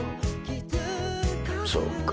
そうか。